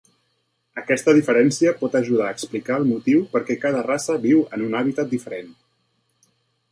Aquesta diferència pot ajudar a explicar el motiu perquè cada raça viu en un hàbitat diferent.